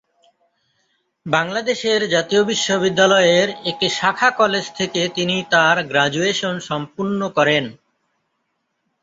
বাংলাদেশের জাতীয় বিশ্ববিদ্যালয়ের একটি শাখা কলেজ থেকে তিনি তার গ্র্যাজুয়েশন সম্পূর্ণ করেন।